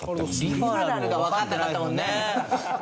「リファラル」がわかんなかったもんね。